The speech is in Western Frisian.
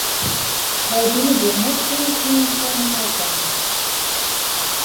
Wy binne der net sûnder kleanskuorren ôfkaam.